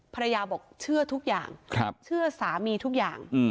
ภรรยาบอกเชื่อทุกอย่างเชื่อสามีทุกอย่าง